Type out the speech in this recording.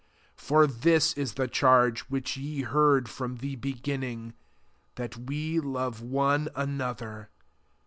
11 For this b the charge which ye heard from the be ginning, that we love one an other.